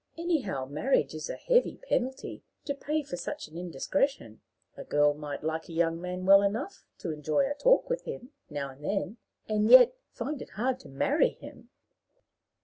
Anyhow, marriage is a heavy penalty to pay for such an indiscretion. A girl might like a young man well enough to enjoy a talk with him now and then, and yet find it hard to marry him."